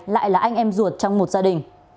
lại là anh em ruột trong một gia đình